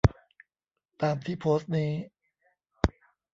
ตามที่โพสต์นี้